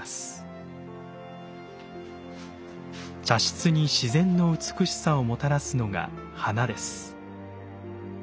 茶室に自然の美しさをもたらすのが花です。